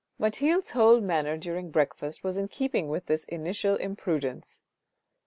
Mathilde's whole manner during breakfast was in keeping with this initial imprudence.